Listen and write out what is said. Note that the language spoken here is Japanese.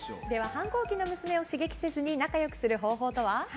反抗期の娘を刺激せずに仲良くする方法とは？